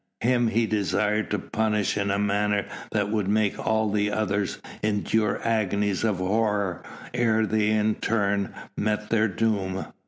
Him he desired to punish in a manner that would make all the others endure agonies of horror ere they in turn met their doom.